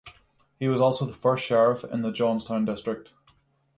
He was also the first sheriff in the Johnstown District.